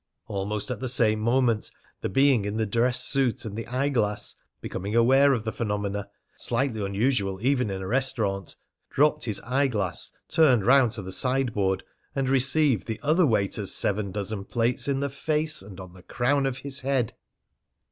Almost at the same moment the being in the dress suit and the eye glass becoming aware of the phenomena slightly unusual even in a restaurant, dropped his eye glass, turned round to the sideboard, and received the other waiter's seven dozen plates in the face and on the crown of his head.